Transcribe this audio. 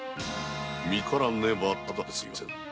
見つからねばただではすみませぬぞ。